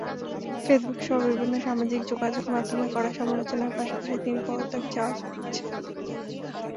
ফেসবুকসহ বিভিন্ন সামাজিক যোগাযোগমাধ্যমে কড়া সমালোচনার পাশাপাশি তাঁর পদত্যাগ চাওয়া হচ্ছে।